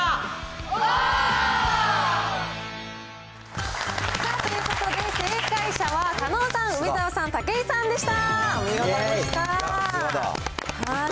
おー！ということで、正解者は狩野さん、梅沢さん、武井さんでした。